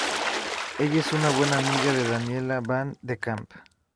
Ella es una buena amiga de Danielle Van de Kamp.